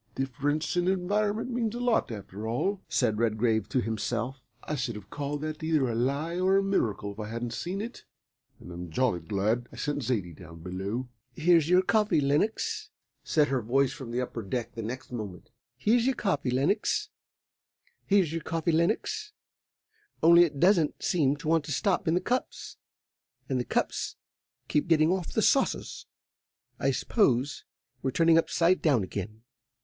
"Difference of environment means a lot, after all," said Redgrave to himself. "I should have called that either a lie or a miracle if I hadn't seen it, and I'm jolly glad I sent Zaidie down below." "Here's your coffee, Lenox," said her voice from the upper deck the next moment, "only it doesn't seem to want to stop in the cups, and the cups keep getting off the saucers. I suppose we're turning upside down again."